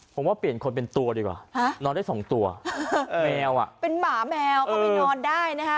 ผมว่าเปลี่ยนคนเป็นตัวดีกว่านอนได้สองตัวแมวอ่ะเป็นหมาแมวก็ไปนอนได้นะฮะ